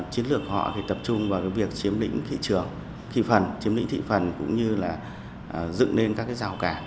chiến lược họ thì tập trung vào việc chiếm lĩnh thị phần cũng như là dựng lên các rào cản